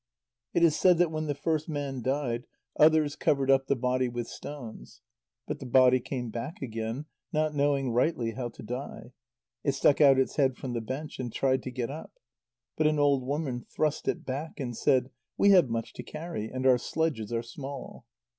It is said, that when the first man died, others covered up the body with stones. But the body came back again, not knowing rightly how to die. It stuck out its head from the bench, and tried to get up. But an old woman thrust it back, and said: "We have much to carry, and our sledges are small."